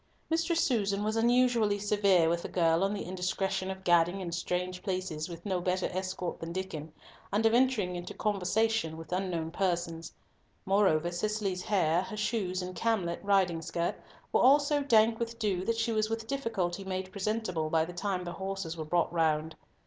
Mistress Susan was unusually severe with the girl on the indiscretion of gadding in strange places with no better escort than Diccon, and of entering into conversation with unknown persons. Moreover, Cicely's hair, her shoes, and camlet riding skirt were all so dank with dew that she was with difficulty made presentable by the time the horses were brought round.